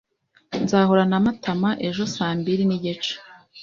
Nzahura na Matama ejo saa mbiri nigice.